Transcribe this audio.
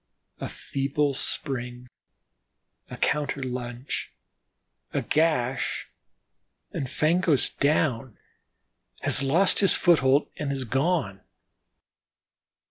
A feeble spring, a counter lunge, a gash, and "Fango's down," has lost his foothold and is gone.